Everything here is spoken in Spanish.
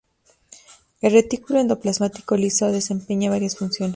El retículo endoplasmático liso desempeña varias funciones.